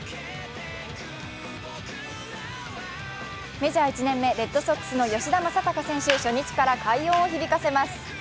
メジャー１年目レッドソックスの吉田正尚選手は初日から快音を響かせます。